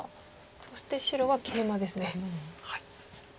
そして白はケイマですね。